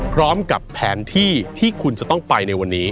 พร้อมกับแผนที่ที่คุณจะต้องไปในวันนี้